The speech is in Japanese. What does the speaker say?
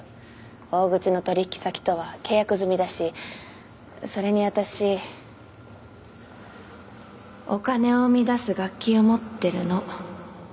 大口の取引先とは契約済みだしそれに私お金を生み出す楽器を持っているの。